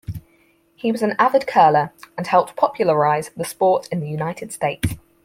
He was an avid curler, and helped popularize the sport in the United States.